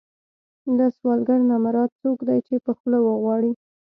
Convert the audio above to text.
له سوالګر نه مراد څوک دی چې په خوله وغواړي.